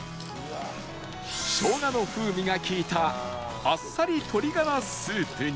生姜の風味が利いたあっさり鶏ガラスープに